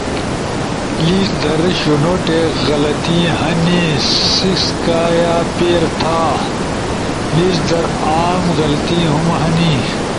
لیز در شُونوٹی غلطی ہنی سکایا پیر تھا۔ لیز در عام غلطی ہُم ہنی۔